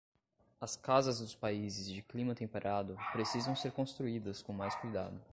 As casas dos países de clima temperado precisam ser construídas com mais cuidado